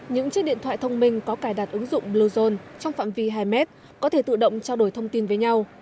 những chiếc điện thoại thông minh có cài đặt ứng dụng bluezone trong phạm vi hai mét có thể tự động trao đổi thông tin với nhau